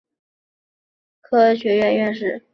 他当选了美国国家科学院院士。